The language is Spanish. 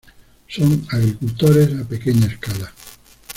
Son agricultores a pequeña escala.